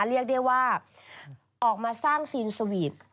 เรียกได้ว่าออกมาสร้างซีนสวีท